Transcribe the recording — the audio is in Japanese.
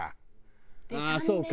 ああそっか。